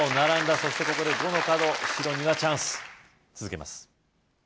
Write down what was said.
そしてここで５の角白にはチャンス続けます